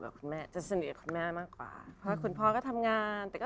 ก็คือจะติดคุณยายกับคุณแม่